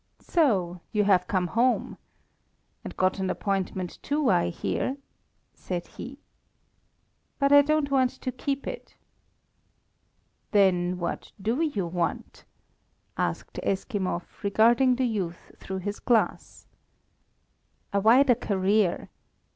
"So you have come home! And got an appointment too, I hear?" said he. "But I don't want to keep it." "Then what do you want?" asked Eskimov, regarding the youth through his glass. "A wider career.